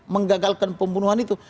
menggagalkan pembunuhan itu